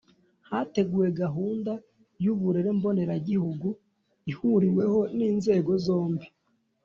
Hateguwe gahunda y’uburere mboneragihugu ihuriweho n’inzego zombi